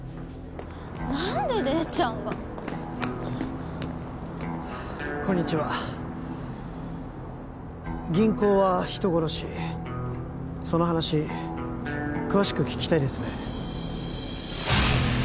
何で礼ちゃんがこんにちは「銀行は人殺し」その話詳しく聞きたいですね